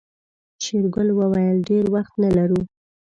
شېرګل وويل ډېر وخت نه لرو.